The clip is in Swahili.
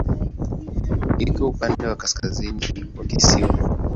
Iko upande wa kaskazini wa kisiwa.